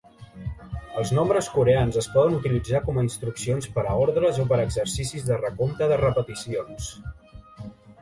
Els nombres coreans es poden utilitzar com a instruccions per a ordres o per exercicis de recompte de repeticions.